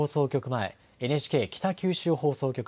前、ＮＨＫ北九州放送局